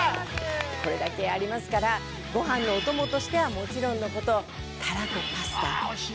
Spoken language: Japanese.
これだけありますからご飯のお供としてはもちろんのこと。